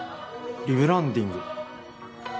リブランディング？